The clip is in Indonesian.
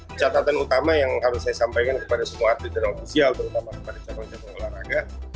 ini catatan utama yang harus saya sampaikan kepada semua atlet dan ofisial terutama kepada cabang cabang olahraga